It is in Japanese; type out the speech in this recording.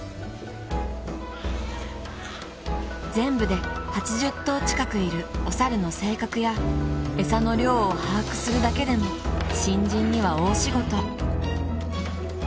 ［全部で８０頭近くいるお猿の性格や餌の量を把握するだけでも新人には大仕事］